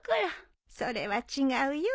それは違うよ